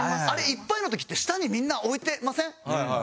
あれいっぱいの時って下にみんな置いてません？